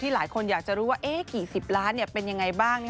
หลายคนอยากจะรู้ว่ากี่สิบล้านเป็นยังไงบ้าง